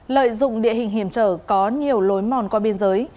lợi dụng địa hình hiểm trở có nhiều lối mòn qua biên giới